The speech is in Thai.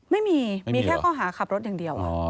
ไม่มีมีแค่ข้อหาขับรถอย่างเดียว